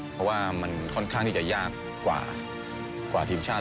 เพราะว่ามันค่อนข้างที่จะยากกว่าทีมชาติ